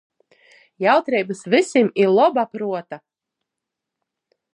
Jautreibys vysim i loba pruota!!!